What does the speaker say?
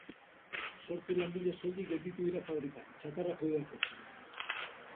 Zortzi langile soilik gelditu dira fabrikan, txatarra kudeatzeko.